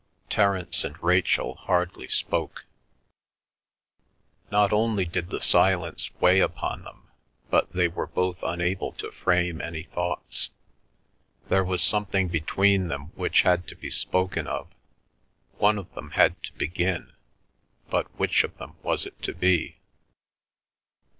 Terence and Rachel hardly spoke. Not only did the silence weigh upon them, but they were both unable to frame any thoughts. There was something between them which had to be spoken of. One of them had to begin, but which of them was it to be?